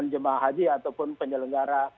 jemaah haji ataupun penyelenggara